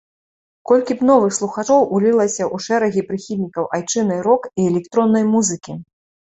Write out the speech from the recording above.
Колькі б новых слухачоў улілася ў шэрагі прыхільнікаў айчыннай рок- і электроннай музыкі!